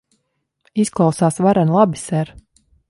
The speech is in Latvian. Izklausās varen labi, ser.